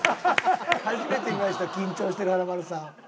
初めて見ました緊張してる華丸さん。